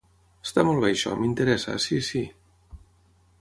Està molt bé això, m'interessa si si.